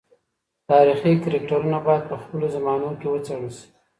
تاریخي کرکټرونه باید په خپلو زمانو کي وڅېړل سي.